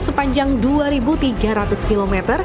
sepanjang dua tiga ratus km